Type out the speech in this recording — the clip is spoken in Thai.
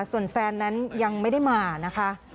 ส่วนแซนนั้นยังไม่ได้มานะคะ